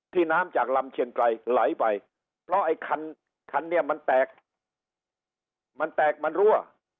น้ำจากลำเชียงไกรไหลไปเพราะไอ้คันคันเนี่ยมันแตกมันแตกมันรั่ว